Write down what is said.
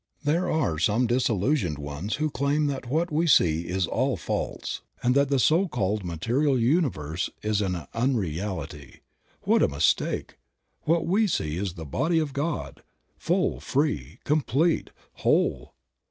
There are some illusioned ones who claim that what we see is all false, and that the so called material universe is an unreality. What a mistake ! What we see is the body of God, full, free, complete, whole.